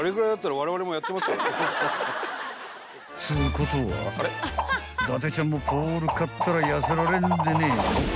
［つうことは伊達ちゃんもポール買ったら痩せられるんでねえ？］